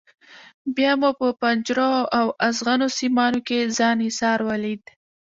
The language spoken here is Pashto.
بیا مو په پنجرو او ازغنو سیمانو کې ځان ایسار ولید.